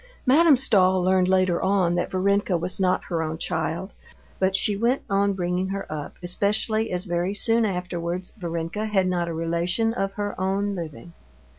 Madame Stahl learned later on that Varenka was not her own child, but she went on bringing her up, especially as very soon afterwards Varenka had not a relation of her own living.